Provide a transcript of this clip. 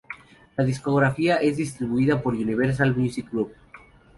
La discográfica es distribuida por Universal Music Group.